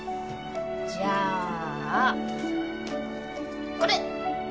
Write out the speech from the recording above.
じゃあこれ！